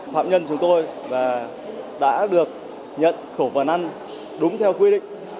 phạm nhân chúng tôi đã được nhận khẩu phản ăn đúng theo quy định